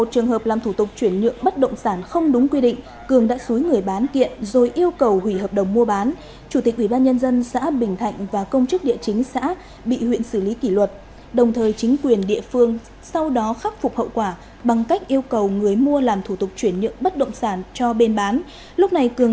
một trường hợp làm thủ tục chuyển nhượng bất động sản không đúng quy định cường đã xúi người bán kiện rồi yêu cầu hủy hợp đồng mua bán chủ tịch ủy ban nhân dân xã bình thạnh và công chức địa chính xã bị huyện xử lý kỷ luật đồng thời chính quyền địa phương sau đó khắc phục hậu quả bằng cách yêu cầu người mua làm thủ tục chuyển nhượng bất động sản cho bên bán